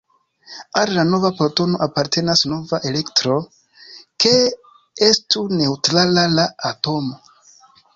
Al la nova protono apartenas nova elektro, ke estu neŭtrala la atomo.